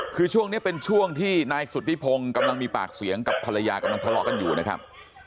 คือช่วงนี้เป็นช่วงที่นายสุธิพงศ์กำลังมีปากเสียงกับภรรยากำลังทะเลาะกันอยู่นะครับ